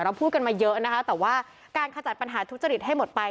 พูดกันมาเยอะนะคะแต่ว่าการขจัดปัญหาทุจริตให้หมดไป